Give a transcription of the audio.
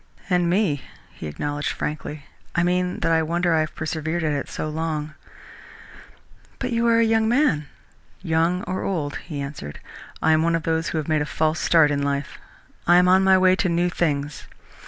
"And me," he acknowledged frankly. "I mean that I wonder I have persevered at it so long." "But you are a very young man!" "Young or old," he answered, "I am one of those who have made a false start in life. I am on my way to new things.